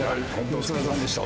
お疲れさんでした。